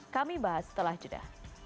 kami bahas setelah jeda